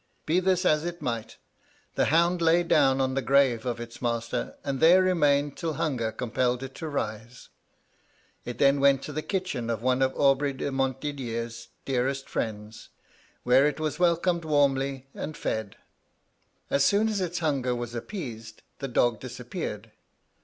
Be this as it might, the hound lay down on the grave of its master, and there remained till hunger compelled it to rise. It then went to the kitchen of one of Aubry de Montdidier's dearest friends, where it was welcomed warmly, and fed. As soon as its hunger was appeased the dog disappeared.